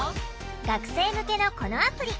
学生向けのこのアプリ。